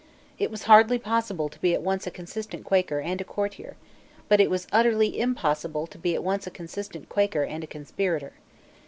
It was hardly possible to be at once a consistent Quaker and a courtier: but it was utterly impossible to be at once a consistent Quaker and a conspirator.